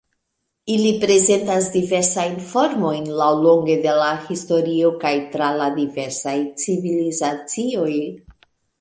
Ili prezentas diversajn formojn laŭlonge de la historio kaj tra la diversaj civilizacioj.